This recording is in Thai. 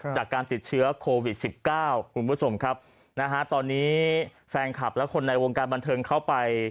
จากการติดเชื้อโควิด๑๙คุณผู้ชมครับนะฮะตอนนี้แฟนคลับและคนในวงการบันเทิงเข้าไป